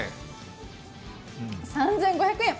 ３５００円。